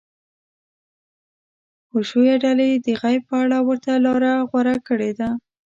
حشویه ډلې د غیب په اړه ورته لاره غوره کړې ده.